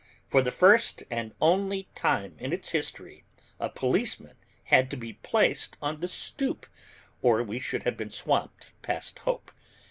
For the first and only time in its history a policeman had to be placed on the stoop, or we should have been swamped past hope.